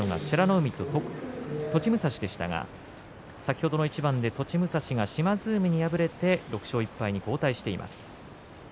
海と栃武蔵でしたが先ほどの一番で栃武蔵が島津海に敗れて６勝１敗に後退しています。